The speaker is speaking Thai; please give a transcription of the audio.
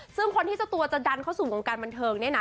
ซึ่งคนที่เจ้าตัวจะดันเข้าสู่วงการบันเทิงเนี่ยนะ